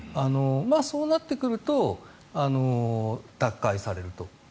そうなってくると奪回されると。